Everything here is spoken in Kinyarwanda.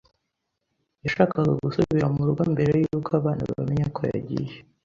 yashakaga gusubira mu rugo mbere yuko abana bamenya ko yagiye.